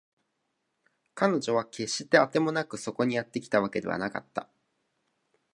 彼女は決してあてもなくそこにやってきたわけではなかった